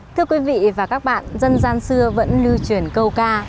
thưa quý vị và các bạn dân gian xưa vẫn lưu truyền câu ca